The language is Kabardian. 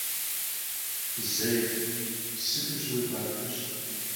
Zeiç', sıtım şığui xuabeş.